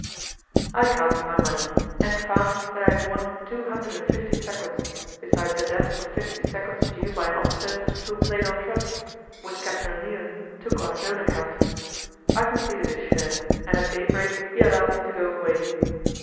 I counted my money, and found that I had won two hundred and fifty sequins, besides a debt of fifty sequins due by an officer who played on trust which Captain O'Neilan took on his own account. I completed his share, and at day break he allowed me to go away.